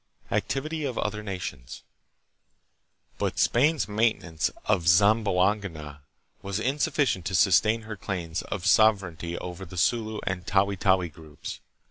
Activity of Other Nations. But Spain's maintenance of Zamboanga was insufficient to sustain her claims of sovereignty over the Sulu and Tawi Tawi groups.